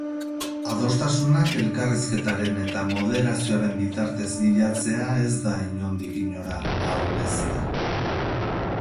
Adostasunak elkarrizketaren eta moderazioaren bitartez bilatzea ez da, inondik inora, ahulezia.